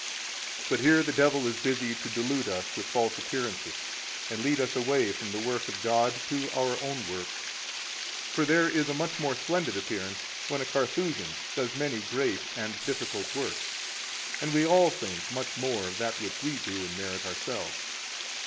11 But here the devil is busy to delude us with false appearances, and lead us away from the work of God to our own works. For there is a much more splendid appearance when a Carthusian does many great and difficult works; and we all think much more of that which we do and merit ourselves.